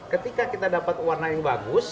ketika kita dapat warna yang bagus